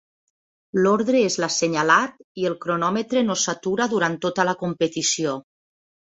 L'ordre és l'assenyalat i el cronòmetre no s'atura durant tota la competició.